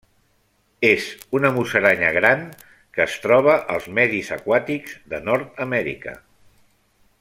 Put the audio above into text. És una musaranya gran que es troba als medis aquàtics de Nord-amèrica.